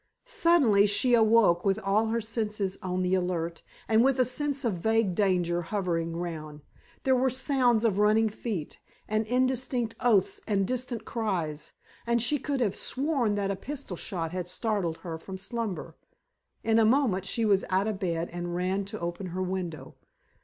Suddenly she awoke with all her senses on the alert, and with a sense of vague danger hovering round. There were sounds of running feet and indistinct oaths and distant cries, and she could have sworn that a pistol shot had startled her from slumber. In a moment she was out of bed and ran to open her window.